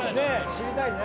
知りたいね。